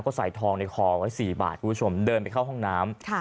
ก็ใส่ทองในคอไว้๔บาทคุณผู้ชมเดินไปเข้าห้องน้ำ